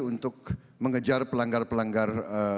untuk mengejar pelanggar pelanggar